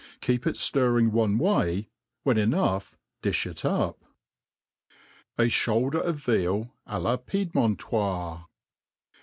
Keep it ftirring one way ; when enough, ^ifli it up, ' J Shoulder, of Veal a la Piedmontoife.